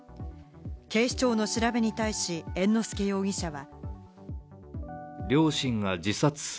警視庁の調べに対し、猿之助容疑者は。